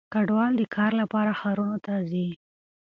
کډوال د کار لپاره ښارونو ته ځي.